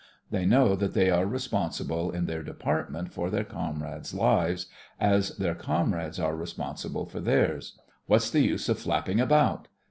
They know that they are responsible in their department for their comrades' lives as their comrades are respon sible for theirs. What's the use of flapping about?